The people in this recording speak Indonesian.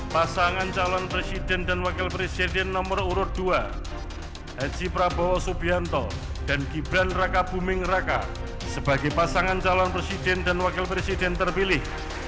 pasangan calon presiden dan wakil presiden nomor urut dua haji prabowo subianto dan gibran raka buming raka sebagai pasangan calon presiden dan wakil presiden terpilih